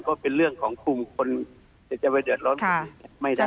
ก็เป็นเรื่องของกลุ่มคน